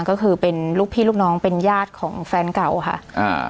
ก็คือเป็นลูกพี่ลูกน้องเป็นญาติของแฟนเก่าค่ะอ่า